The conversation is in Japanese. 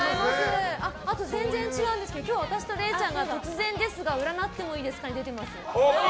あと、全然違うんですけど「突然ですが占ってもいいですか？」に出てます。